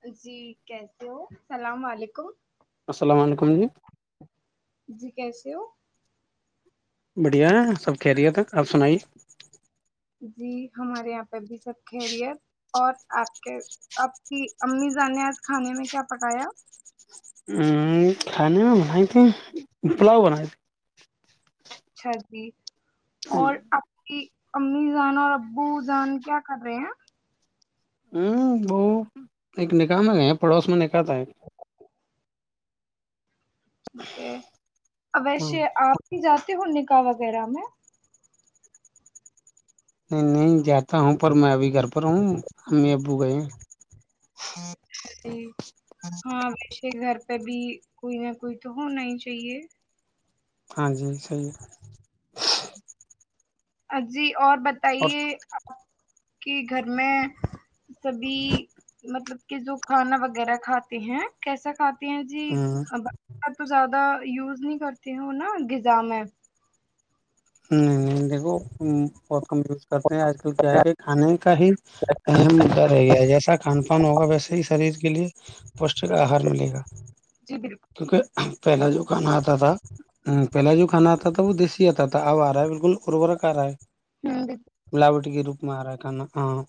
ہ [inaudible] جی کیسے ہو اللام و علیکم السلام علیکم جی جی کیسے ہو بڑھیا ہے سب خیریت آپ سنائی جی ہمارے یہپ ب سب کہہ رہی ہے اور آپ کے آپ کی امیزا نے آج کھانے میں کیا پکایا ہ کھانے میں بنائی تھی پلاؤ بنائے تے اچھا جی تھی اور آپ کی امی زان اور ابو جان کیا کر رہے ہیں ہ وہ ایک نکحئے پڑوس میں نکاح تھا ایک [unintelligible] ہاں ویسے آپ ہی ج ک ہ نکا وغیرہ میں نہیں نہیں جاتا ہوں پر میں ابھی گھر پر ہوں امی ابو گئے ہیں جی ہاں پ گھر پہ بھی کوئی نہ کوئی تو ہونا ہی چاہیے ہاں جی صحیح ہے [inaudible] ا جی اور اور بتائیے کہ گھر میں سبھی مطلب کہ جو کھانا وغیرہ کھاتے ہیں کیسا کھاتے ت جی ہمم، [unintelligible] تو زیادہ یوز نہیں کرتی ہ نا غذا میں ہوں دیک بہت کم یوز کرتے ہیں آج کل کیا ہے کہ کھانے کا ہی اہم مدا رہ گیا ہے جیسا کھان فن ہوگا ویسے ہی شریر کے لیے پوشٹک آہار ملے گا جی بالکل کیونکہ پہلا جو کھانا آتا تھا پہلا جو کھانا آتا تھا وہ دیسی آتا تھا ت آوارا ہے بالکل اربور کر رہا ہے ہوں بالکل بلاوٹی کے روپ میں آ رہا کانا ہاں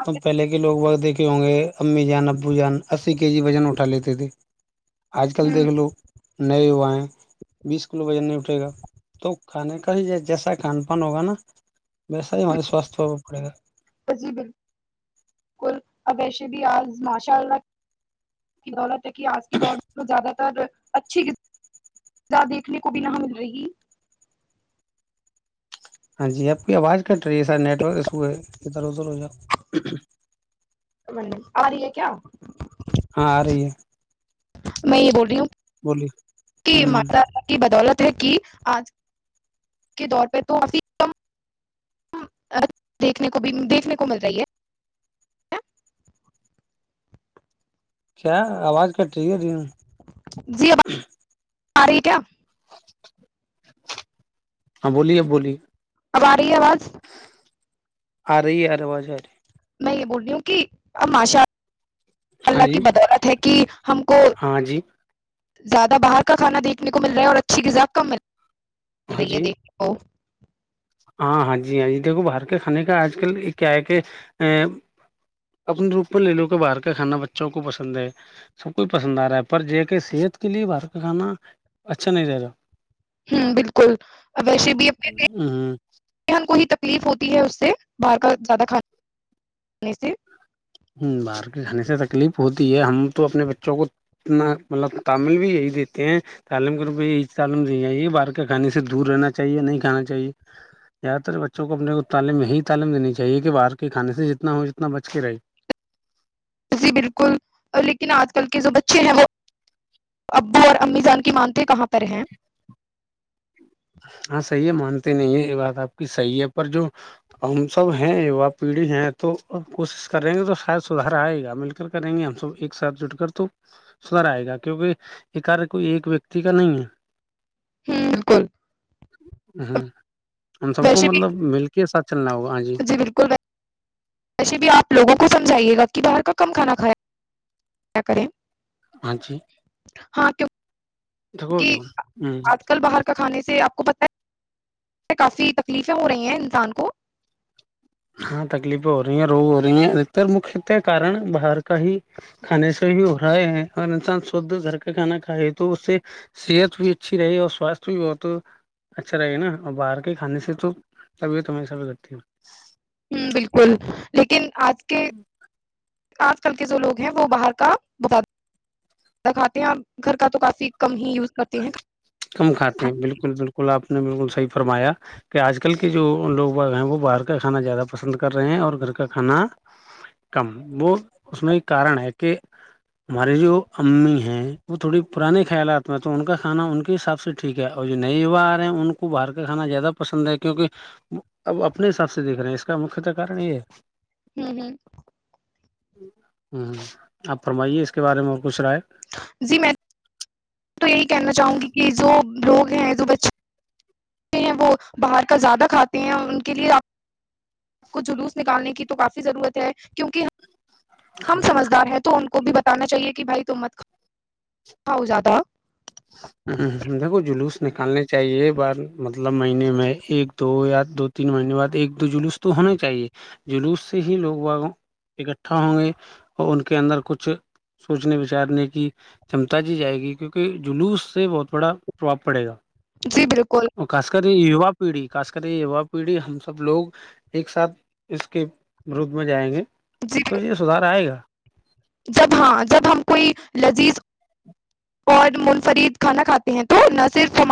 آپ تم پہلے کے لوگ وقت دیکھ ہوں گے امی جان ابو جان اسی کے جی وزن اٹھا لیتے تھے آج کل ہوں دیکھ لو نئے ہوائے بیس کلو وجن نہیں اٹھے گا تو کھانے کا ہی جیسا کھان پان ہوگا نا ویسا ہی ہمارے سواستھ ہوا پڑے گا ہوں جی بالکل اب ویسے بھی آج ماشاء اللہ کی دولت کہ آج کے دور زیادہ اچھیغ دیکھنے کو بھی نہ مل رہی ہاں جی آپ کو کی آواز ک ٹری سار نیٹورک اسسوئے ادھر ادھر ہو جا ا آ رہی ہے کیا ہاں آ رہی ہے میں یہ بول رہی ہوں بولیے کہ ما ہوں کی بدولت کہ آج کے دور پہ تو کافی ک دیکھنے کو بھی دیکھنے کو مل رہی ہے کیا آواز کٹ رہی ہے ریم جی آ رہ کیاا ج ہاں بولیے اب بولیے اب آ رہی ہے آواز آ رہے ہی ارے واز آ رہی میں یہ بول رہی ہوں کہ اب ماشاء اللہ رہی کی ہے بدولت ہے کہ ہم کو ہاں جی ہاں جی زیادہ باہر کا کھانا دیکھنے کو مل رہا ہے اور اچھی غذا کم مل ہے چ ہاں رہی ہے جی دیکھ ہو ہاں ہاں جی ہاں جی دیکھو باہر کے کھانے کا آج کل کیا ہے کہ ا اپنے روپ میں لے لو کہ باہر کا کھانا بچوں کو پسند ہے سب کوئی پسند آ رہا ہے پر ج کہ صحت کے لیے باہر کا کھانا اچھا نہیں رہ رہا ہ بالکل ا ویسے بھی اپنے ہ ہ ذہن کو ہی تکلیف ہوتی ہے اس سے باہر کا زیادہ کھانا کھے سے ہ باہر کے کھانے سے تکلیف ہوتی ہے ہم تو اپنے بچوں کو اتنا مطلب تعمل بھی یہی دیتے ہیں تعلیم کے روپ میں یہی تعلیم دینی چاہیے باہر کے کھانے سے دور رہنا چاہیے نہیں کھانا چاہےیادہ تر بچوں کو اپنے کو تعلیم یہی تعلیم دینی چاہیے کہ باہر کے کھانے سے جتنا ہو جتنا بچ کے رہے جی بالکل لیکن آجل کل کے جو بچے ہیں وہ ابو اور امی جان کی مانتے کہاں پر ہیں ہاں صحیح ہے مانتے نہیں ہیں یہ بات آپ کی صحیح ہے پر جو ہم سب ہیں یوا پیڑھی ہیں تو کوشش کر رہیں گے تو شاید سدھر آئے گا مل کر کریں گے ہم سب ایک ساتھ جٹ کر تو سدھر آئے گا کیونکہ یہ کار کوئی ایک ویکتی کا نہیں ہے ہ بالکل ہاں ہم سب کو ویسے بھی مطلب مل کے ساتھ چلنا ہوگا ہاں جی بالکل ویسے بھی آپ لوگوں کو سمجھائیے گا کہ باہر کا کم کھانا کھائے کیا کریں ہاں جی ہاں تو [unintelligible] دیکھو ک ہ آج کل باہر کا کھانے [unintelligible] سے آپ کو پت کافی تکلیفیں ہو رہی ہیں انسان کو [unintelligible] ہاں تکلیفیں ہو رہی ہیں روگ ہو رہی ہیں اتر مکھت کارن باہر کا ہی کھانے سے ہی ہو رہا ہے اور انسان شھ گھر کا کھانا کھائے تو اس سے صحت بھی اچھی رہے اور سواستھ بھی بہت اچھا رہے نا اور باہر کے کھانے سے تو طبیعت ہمیشہ بھی گتی ہوں بالکل لیکن آج اس کے [unintelligible] آج کل کے جو لوگ ہیں وہ باہر کا ب دکھاتے ہیں گھر کا تو کافی کم ہی یز [unintelligible] کم کھاتے ہیں بالکل بالکل آپ نے بالکل صحیح فرمایا کہ آج کل کے جو لوگ ہیں وہ باہر کا کھانا زیادہ پسند کر رہے ہیں اور گھر کا کھانا کم وہ اس میں ایک کارن ہے کہ ہماری جو امی ہے وہ تھوڑی پرانے خیالات میں تو ان کا کھا ان کے حساب سے ٹھیک ہے اور جو نئے یوا آ رہے ہیں ان کو باہر کا کھانا زیادہ پسند ہے کیونکہ اب اپنے حساب سے دیکھ رہے ہیں اس کا مکت کن یہ ہے ہوں ہ ہوں آپ فرمائیے اس کے بارے میں اور کچھ رائے جی میں میں تو یہی کہنا چاہوں گی کہ جو لوگ ہیں جو بچے ہیں وہ باہر کا زیادہ کھاتے ہیں ان کے لیےپ آپ کو جلوس نکالنے کی تو کافی ضرورت ہے کیونکہ ہم سمجھدار ہیں تو ان کو بھی بتانا چاہیے کہ بھائی ت مت ہو جاتا [unintelligible] ہ دیکھو جلوس نکالنے چاہیے بار مطلب مہینے میں ایک دو یا دو تین مہینے بعد ایک دو جلوس تو ہونا چاہیے جلوس سے ہی لوگ وہ اکٹھا ہوں گے اور ان کے اندر کچھ سوچنے بچارنے کی چمتا جی جائے گی کیونکہ جلوس اس سے بہت بڑا پرابپ پڑے گا جی بالکل ا خاص کر یوا پیڑھی خاص کر یہ یوا پیڑھی ہم سب لوگ ایک ساتھ اس کے مرود میں جائیں گے جی تو یہ سدار آئے گا جب ہاں جب ہم کوئی لذیذ اور منفرد کھانا کھاتے ہیں تو نہ صرف ہم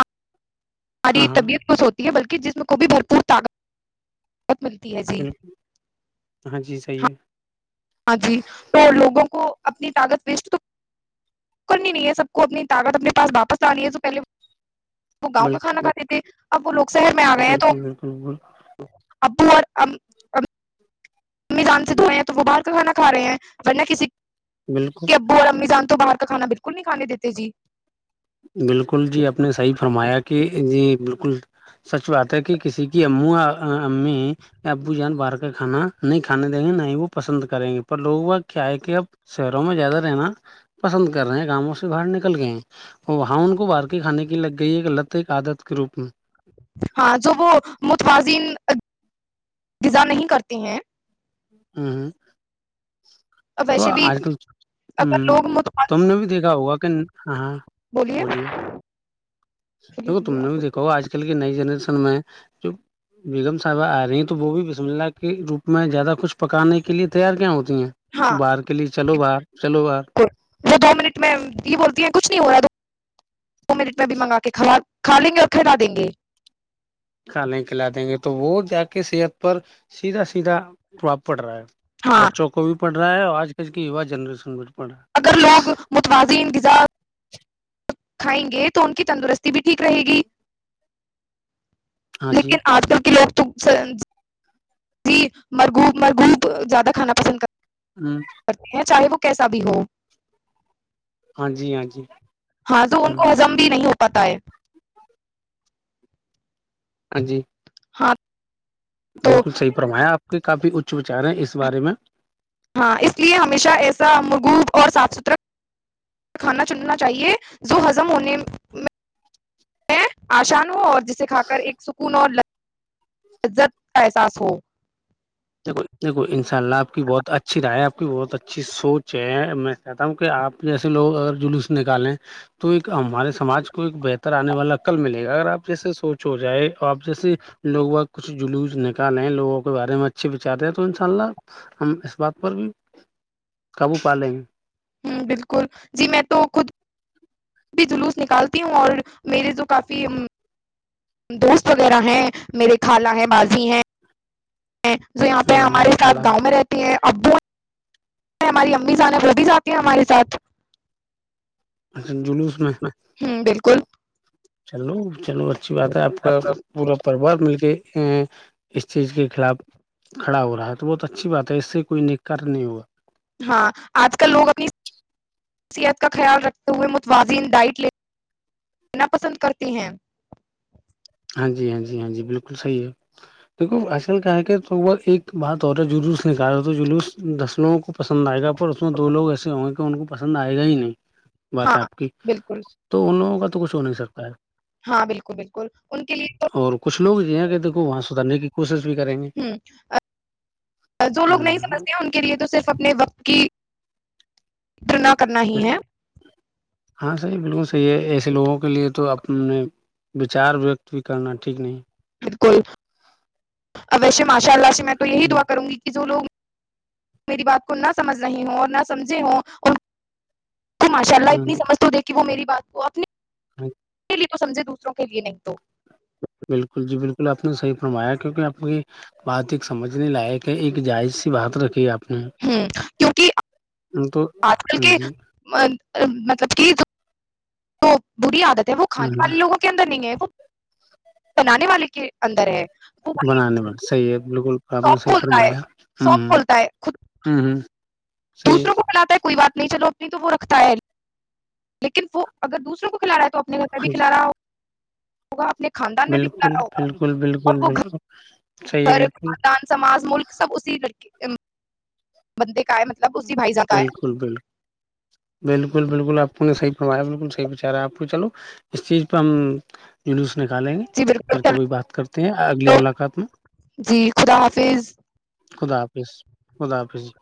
ہاں ہماری ہاں طبیعت ب س ہوتی بلکہ جسم کو بھی بھرپور طاقت ملتی ہے جی بالکل ہاں جی صحیح ہے ہاں جی تو لوگوں کو اپنی طاقت ویسٹ تو کرنی نہیں ہے سب کو اپنی طاقت اپنے پاس واپس آنی ہے تو پہلے وہ گاؤں کا کھانا کھاتے تھے آپ ل بالکل بالکل بالکل اب [unintelligible] امی جان سے دھوئے ہیں تو وہ باہر کا کھانا کھ رہے ہیں ورنہ کسی بالکل کہبو ر امی سان [unintelligible] تو باہر کا کھانا بالکل نہیں کانے دیتے جی بالکل جی آپ نے صی فرمایا کہ ج بالکل سچ بات ہے کہ کسی کی امو امی یا ابو جان باہر کا کھانا نہیں کھانے دیں گے نہ ہی وہ پسند کریں گے پر لوگ وہ کیا ہے کہ اب شہروں میں زیادہ رہنا پسند کر رہے گاؤوں سے باہر نکل گئے وہ ہاں ان کو بارکی کھانے کی لگ گئی ہے ایک لط ایک آدت کے روپ میں ہاں جو وہ متوازن انتظا نہیں کرتے ہیں ہوں ہاں اور تو ویسے بھی آج کل اگر ہ لوگ متوازن تم نے بھی دیکھا ہوگا کہ ہاں ہاں بولیے بولیے دیکھو بولیے تم نے آپ بھی دھاو آج کل کی نئی جنرشن میں جو بیگم صاحبہ آ رہی ہیں تو وہ بھی بسملہ کے روپ میں زیادہ کچھ پکانے کے لیے تیار کیا ہوتی ہیں بولیے ہاں باہر کے لیے چلو باہر چلو باہر وہ دو منٹ میں یہ بولتی ہیں کچھ نہیں ہو رہا تو دو منٹ میں بھی منگا کے کھا لیں گے اور کھلاا دیں گے کھانے کھلا دیں گے تو وہ جا کے صحت پر سیدھا سیدھا پربھاب پڑ رہا ہے ہاں بچوں کو بھی پڑھا رہا آج کل کییو جنریشن بڑ اگر لوگ متوازن کھائیں گے تو ان کی تندرستی ت بھی ٹھیک رہے گی ہے ہاں جی لیکن آج کل کے لی ج مرگو مرگو جات کانا پسند ہ کرتے ہیں چائے ب کیسا بھی ہو ہاں جی ہاں جی ہاں تو ہ ان کو ہزم بھی نہیں ہوتا پت ہے ہاں جی ہاں تو بالکل صح پررما ہے آپ کے کافی اچ وچار ہیں اس بارے میں ہاں اس لیے ہمیشہ ایسا مغوب اور صاف ستھرا کھانا چننا چاہیے جو ہضم ہونے میں آسان ہو اور جسے کھ کر ایک سکون اور عزت کا احساس ہو دیکھو انشاء اللہ بہت اچھی رائے ہے آ کی بہت بہت اچھی سوچ ہے میں کہتا ہوں کہ آپ جیسے لوگ اگر جلوس نکالیں تو ایک ہمارے سماج کو ایک بہتر آنے والاقل ملے گا اگر آپ جیسے سوچ ہو جائے آپ جیسے لوگ ب کچھ جلوس نکالیں لوگوں کے بارے میں اچھے چاہتے ہیں تو ان شاء اللہ ہم اس بات پر بھی قابو پا لیں گے ہ بالکل جی میں تو خود بھی جلوس نکالتی ہوں اور میرے جو کافی دوست وغیرہ ہیں میرے خالہ ہیں بازی ہیں ہیں جو یہاں پہ ہ ہمارے ساتھ کلا گاؤں میں رہتی ہیں ابو [unintelligible] ہماری امی سان ہے وہ بھی جاتی ہیں ہمارے ساتھ اچھا جلوس میں کل چلو چلو اچھی بات ہے آپ کا پورا پروار مل کے اس چیز کے خلاف کھڑا ہو رہا ہے تو بہت اچھی بات ہے اس سے کوئی نکار نہیں ہوا ہاں آج کل لوگ اپنیصحت کا خیال رکھتے ہوئے متوازن ڈائٹ لینا پسند کرتے ہیں ہاں جی ہاں جی ہاں جی بالکل صحی ہے دیک آج کل کیا ہے کہ ایک بات ہو رہا ہے جلوس ن کہال رہا تو جلوس دس لووں کو پسند آئے گا اور اس میں دو لوگ ایسے ہوں گے ان کو پسند آئے گا ہی نہیں بات ہاں ہے آپ کی بالکل تو ان لوگوں کا تو کچھ ہو نہیں سکتا ہے ہاں بالکل بالکل ان کے لیے تو اور کچھ لوگ یہ ہیں کہ دیکھو وہاں سدارنے کی ک [unintelligible] ہ جو لوگ نہیں ہ سمجھتے ہیں ان کے لیے تو صرف اپنے وقت کی تنا کرنا ہی ہے تو یہ ایسے لوگوں کے لیے تو اپنے وچار ویکت بھی کرنا ٹھیک نہیں کوول اب ویسے ماشاء اللہ سے میں تو یہی دعا کروں گی کہ جو لگ میری بات کو نہ سمجھ رہی ہوں اور نہ سمجھے ہوں اور تو ماشاء اللہ ہ ات سمجھ دیک کہ وہ میری بات کو اپنی تو سمجھے دوسروں کے لیے نہیں تو بالکل جی بالکل آپ نے صحیح فرمایا کیونکہ آپ کی بات ایک سمجھنے لائق ہے ایک جائز سی بات رکھی آپ نے ہوں کیونکہ تو آج کل کے جی ا مطلب کہ تو بری عادت وہ ہ کھانے والے لووں کے اندر نہیں ہے وہ بنانے والے کے اندر ہے وہ بھائی بنانے میں صحیح ہے بالکل آپ نے شاپ سےح کھولتا ہے فرمایا ہ شاپ کھولتا ہے خود ہ ہ ہ دوسروں کو بلاتا ہے کوئی بات نہیں چلو نہیں تو وہ رکھتا ہے لیکن وہ اگر دوسروں کو کھلا رہا ہے تو آپ کبھی ہاں جی کھلا رہا ہو ہوگا آپ نے خاندان میں بھی بالکل کنارا ہوگا بالکل اور بالکل وہ بالکل صحیح ہے گھر بالکل خاندان سماج ملک سب اسی کر کے ا [inaudible] بند کا مطلب اسی بائی جا کا ہے بالکل بالکل بالکل بالکل آپ کو نے صح فوایا بالکل صحیح بچارا آپ کو چلو اس چیز پہ ہم نکالیں گے جی بالکل پھر کبھی چلو بات کرتے ہیں اگلی ملاقات میں جی خدا حافظ خدا حافظ خدا حافظ [inaudible]